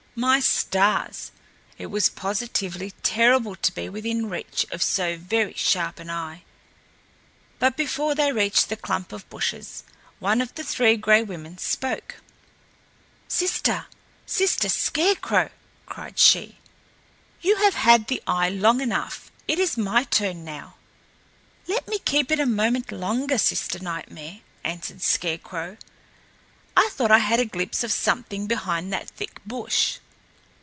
My stars! it was positively terrible to be within reach of so very sharp an eye! But before they reached the clump of bushes, one of the Three Gray Women spoke. "Sister! Sister Scarecrow!" cried she, "you have had the eye long enough. It is my turn now!" "Let me keep it a moment longer, Sister Nightmare," answered Scarecrow. "I thought I had a glimpse of something behind that thick bush."